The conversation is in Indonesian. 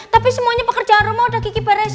tapi semuanya pekerjaan rumah udah kiki baresin kok